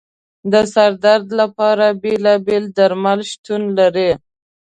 د سر درد لپاره بېلابېل درمل شتون لري.